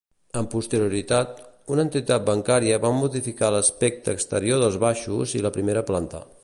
Amb posterioritat, una entitat bancària va modificar l'aspecte exterior dels baixos i la primera planta.